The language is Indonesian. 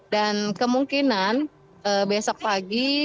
dan kemungkinan besok pagi akan